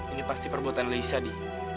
ini pasti perbuatan lisa di